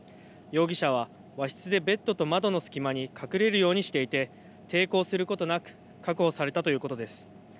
容疑者は和室でベッドと窓の隙間に隠れるようにしていて抵抗することなく確保されたということです。